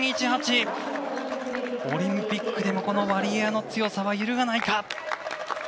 オリンピックでもワリエワの強さは揺るがないか。